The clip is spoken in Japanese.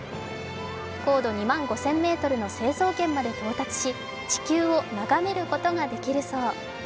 高度２万５０００ｍの成層圏まで到達し、地球を眺めることができるそう。